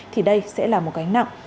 thì đây sẽ là một gánh nặng